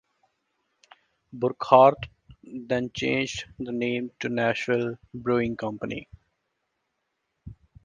Burkhardt then changed the name to the Nashville Brewing Company.